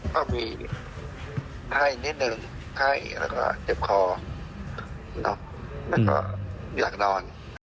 ก็มีไข้นิดนึงไข้แล้วก็เจ็บคอแล้วก็อยากนอน